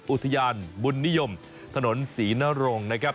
อุทยานบุญนิยมถนนศรีนรงค์นะครับ